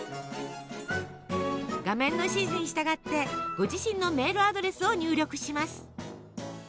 画面の指示に従ってご自身のメールアドレスを入力します。